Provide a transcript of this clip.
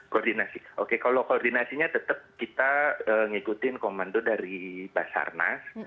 koordinasi oke kalau koordinasinya tetap kita ngikutin komando dari basarnas